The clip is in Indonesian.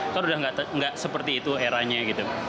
kan udah nggak seperti itu eranya gitu